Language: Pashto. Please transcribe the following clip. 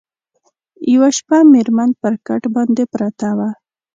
یوه شپه مېرمن پر کټ باندي پرته وه